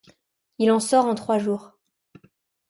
Il en sort en trois jours.